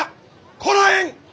こらえん！